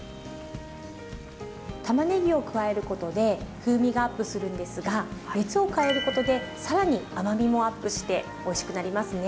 たまねぎを加えることで風味がアップするんですが熱を加えることで更に甘みもアップしておいしくなりますね。